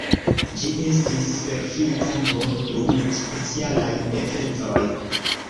Ĝi estis servita nur dum specialaj eventoj.